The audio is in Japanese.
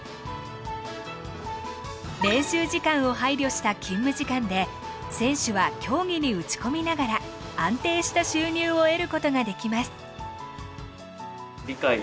練習時間を配慮した勤務時間で選手は競技に打ち込みながら安定した収入を得ることができます。